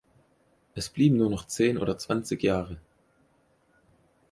Es bleiben nur noch zehn oder zwanzig Jahre.